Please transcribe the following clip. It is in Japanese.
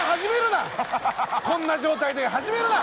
こんな状態で始めるな！